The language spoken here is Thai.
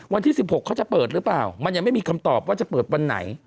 วันที่๑๖เขาจะเปิดหรือเปล่ามันยังไม่มีคำตอบว่าจะเปิดวันไหน